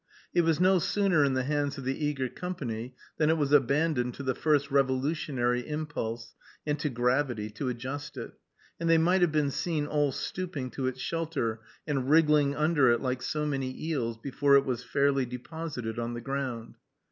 It was no sooner in the hands of the eager company than it was abandoned to the first revolutionary impulse, and to gravity, to adjust it; and they might have been seen all stooping to its shelter, and wriggling under like so many eels, before it was fairly deposited on the ground.